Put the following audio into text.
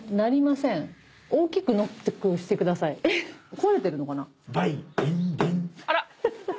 壊れてるのかな？